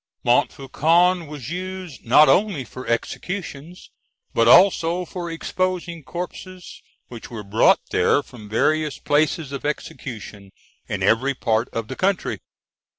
Montfaucon was used not only for executions, but also for exposing corpses which were brought there from various places of execution in every part of the country.